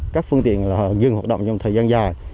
các phương tiện dừng hoạt động trong thời gian dài